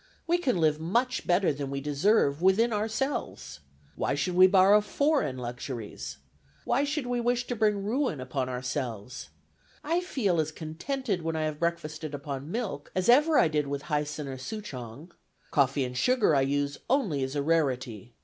We can live much better than we deserve within ourselves. Why should we borrow foreign luxuries? Why should we wish to bring ruin upon ourselves? I feel as contented when I have breakfasted upon milk as ever I did with Hyson or Souchong. Coffee and sugar I use only as a rarity.